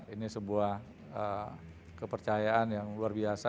ini sebuah kepercayaan yang luar biasa